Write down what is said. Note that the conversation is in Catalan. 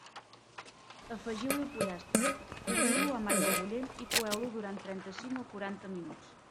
Afegiu-hi el pollastre, cobriu-lo amb aigua bullent i coeu-lo durant trenta-cinc o quaranta minuts.